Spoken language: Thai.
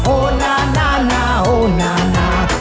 โอ้น่าน่าน่าโอ้น่าน่า